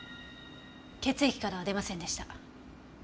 血液からは出ませんでした。